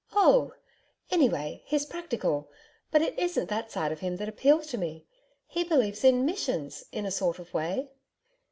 'Oh! ... anyway, he's practical. But it isn't that side of him that appeals to me. He believes in Missions in a sort of way.'